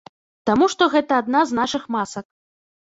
Таму што гэта адна з нашых масак.